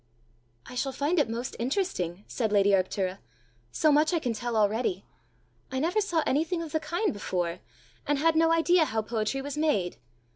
"I shall find it most interesting," said lady Arctura: "so much I can tell already! I never saw anything of the kind before, and had no idea how poetry was made.